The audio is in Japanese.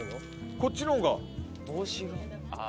こっちの方が。